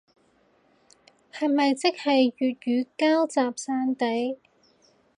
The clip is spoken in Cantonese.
係咪即係粵語膠集散地